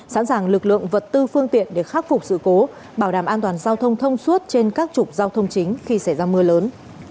sẵn sàng lực lượng vật tư phương tiện để khắc phục sự cố bảo đảm an toàn giao thông thông suốt trên các trục giao thông chính khi xảy ra mưa lớn